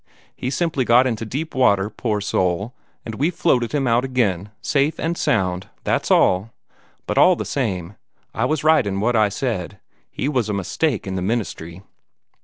He simply got into deep water, poor soul, and we've floated him out again, safe and sound. That's all. But all the same, I was right in what I said. He was a mistake in the ministry."